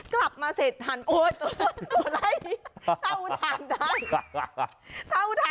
กลับมาเสร็จหันโอ้ยตัวไร้